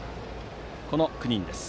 この９人です。